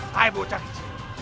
hai bocah gijil